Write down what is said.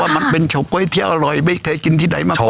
ว่ามันเป็นโชโก้เที่ยวอร่อยไม่เคยกินที่ใดมากกว่า